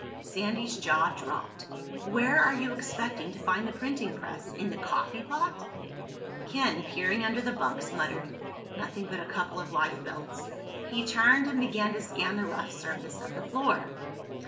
Sandy's jaw dropped. "Where are you expecting to find the printing press? In the coffeepot?" Ken, peering under the bunks, muttered, "Nothing but a couple of life belts." He turned and began to scan the rough surface of the floor.